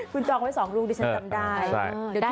คุณจองไว้๒ลูกดิฉันจำได้